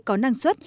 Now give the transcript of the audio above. có năng suất